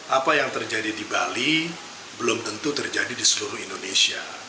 apa yang terjadi di bali belum tentu terjadi di seluruh indonesia